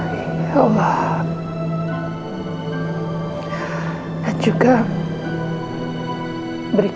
setelah mengetahui keadaan yang sesungguhnya